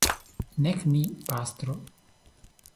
Nek mi, pastro.